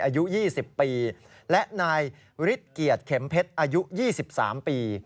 อายุยี่สิบปีและนายฤิษฐ์เกียรติเข็มเพชรอายุยี่สิบสามปี